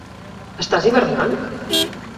Estàs hivernant?